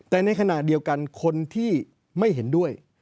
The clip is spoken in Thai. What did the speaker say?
แต่ในขณะเดียวกันคนที่ไม่เห็นด้วย